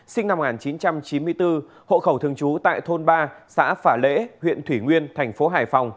sinh năm một nghìn chín trăm chín mươi bốn hộ khẩu thường trú tại thôn ba xã phả lễ huyện thủy nguyên thành phố hải phòng